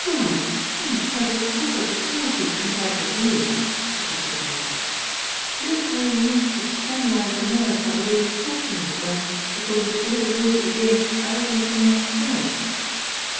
"Why, I'm a perfect epic of sanity compared with you," protested Beresford. "Look how you used to scandalise the nurse by the way you talked to me when, according to all the rules of the game, I ought to have been left quiet."